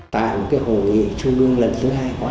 tại một cái hội nghị trung ương lần thứ hai khóa tám